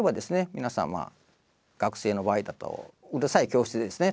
皆さんまあ学生の場合だとうるさい教室でですね